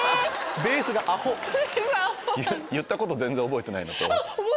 ⁉ベースがアホ⁉言ったこと全然覚えてない。